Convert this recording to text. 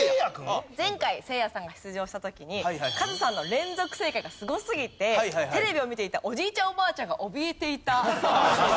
前回せいやさんが出場した時にカズさんの連続正解がすごすぎてテレビを見ていたおじいちゃんおばあちゃんがおびえていたそうです。